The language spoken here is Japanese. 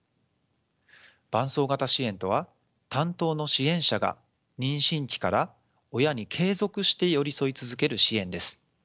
伴走型支援とは担当の支援者が妊娠期から親に継続して寄り添い続ける支援です。